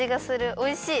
おいしい！